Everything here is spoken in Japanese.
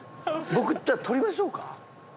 僕じゃあ取りましょうか？